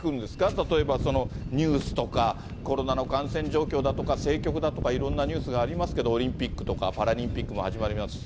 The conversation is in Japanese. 例えばニュースとか、コロナの感染状況だとか、政局だとか、いろんなニュースがありますけど、オリンピックとか、パラリンピックも始まりますし。